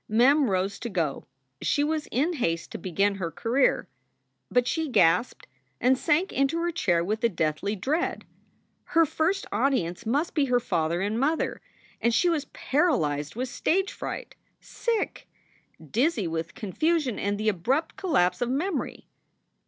Mem rose to go. She was in haste to begin her career. But she gasped and sank into her chair with a deathly dread. Her first audience must be her father and mother, and she was paralyzed with stage fright, sick, dizzy with confusion and the abrupt collapse of memory.